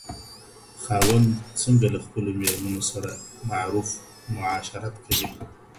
خاوندان څنګه له خپلو ميرمنو سره معروف معاشرت کوي؟